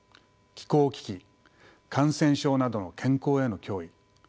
気候危機感染症などの健康への脅威